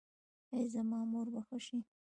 ایا زما مور به ښه شي؟